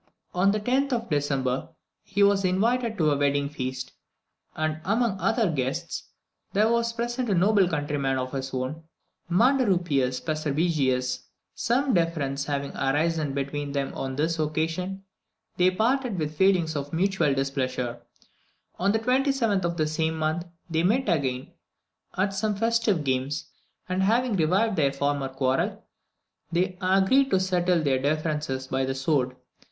On the 10th December he was invited to a wedding feast; and, among other guests, there was present a noble countryman of his own, Manderupius Pasbergius. Some difference having arisen between them on this occasion, they parted with feelings of mutual displeasure. On the 27th of the same month they met again at some festive games, and having revived their former quarrel, they agreed to settle their differences by the sword.